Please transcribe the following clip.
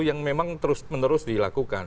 yang memang terus menerus dilakukan